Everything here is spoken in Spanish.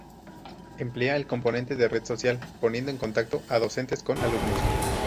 Emplea el componente de red social, poniendo en contacto a docentes con alumnos.